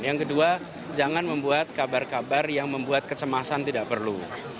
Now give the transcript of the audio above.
yang kedua jangan membuat kabar kabar yang membuat kecemasan tidak perlu